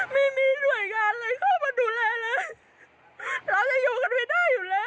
ไม่มีหน่วยงานเลยเข้ามาดูแลเลยเราจะอยู่กันไม่ได้อยู่แล้ว